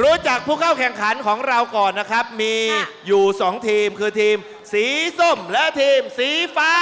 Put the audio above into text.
รู้จักผู้เข้าแข่งขันของเราก่อนนะครับมีอยู่๒ทีมคือทีมสีส้มและทีมสีฟ้า